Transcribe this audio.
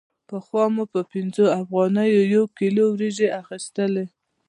پخوا مو په پنځه افغانیو یو کیلو وریجې اخیستلې